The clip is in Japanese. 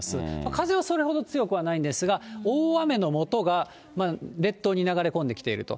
風はそれほど強くないんですが、大雨のもとが列島に流れ込んできていると。